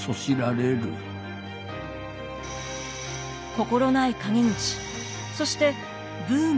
心ない陰口そしてブームの終焉。